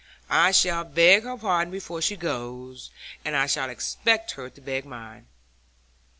I shall beg her pardon before she goes, and I shall expect her to beg mine.'